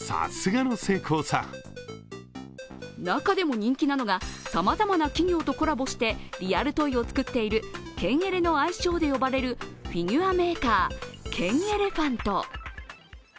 中でも人気なのが、さまざまな企業とコラボしてリアルトイを作っているケンエレの愛称で呼ばれるフィギュアメーカー、ケンエレファント。